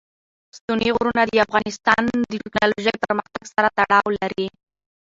ستوني غرونه د افغانستان د تکنالوژۍ پرمختګ سره تړاو لري.